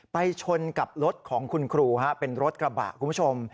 ไปชนกับรถของคุณครูเป็นรถกระบะคุณผู้ชม